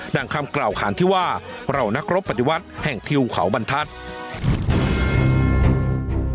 ่งคำกล่าวขานที่ว่าเหล่านักรบปฏิวัติแห่งทิวเขาบรรทัศน์